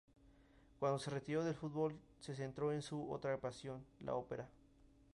Cuando se retiró del fútbol, se centró en su otra gran pasión, la ópera.